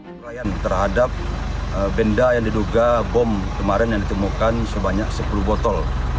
penyerayan terhadap benda yang diduga bom kemarin yang ditemukan sebanyak sepuluh botol